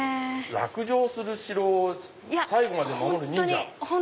落城する城を最後まで守る忍者。